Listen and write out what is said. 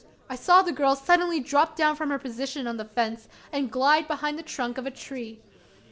I saw the girl suddenly drop down from her position on the fence, and glide behind the trunk of a tree.